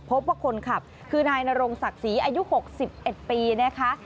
พบว่าคนขับคือนายนรงศักดิ์ศรีอายุ๖๑ปีนะคะ